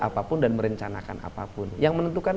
apapun dan merencanakan apapun yang menentukan